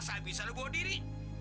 asal bisa lu bawa diri